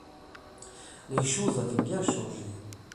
Les choses avaient bien changé